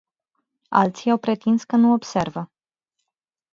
Alții au pretins că nu observă.